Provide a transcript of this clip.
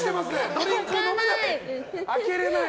ドリンク飲めない！